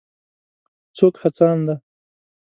څوک هڅاند دی.